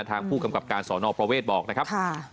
ทางผู้กำกับการสอนอประเวทบอกนะครับ